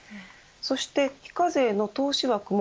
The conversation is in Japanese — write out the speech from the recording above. そして非課税の投資枠も